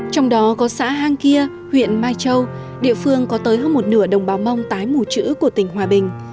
trong đó có xã hang kia huyện mai châu địa phương có tới hơn một nửa đồng bào mong tái mù chữ của tỉnh hòa bình